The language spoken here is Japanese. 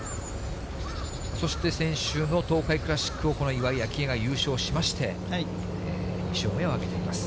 そして、先週の東海クラシックを、この岩井明愛が優勝しまして、２勝目を挙げています。